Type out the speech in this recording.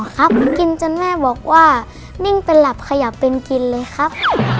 ครับกินจนแม่บอกว่านิ่งเป็นหลับขยับเป็นกินเลยครับ